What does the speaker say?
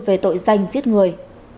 về tội danh giết người